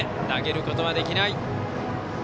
投げることはできない。